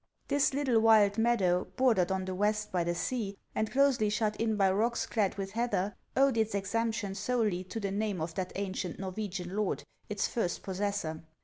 This little wild meadow, bordered on the west by the sea, and closely shut in by rocks clad with heather, owed its exemption solely to the name of that ancient Norwegian lord, its first possessor.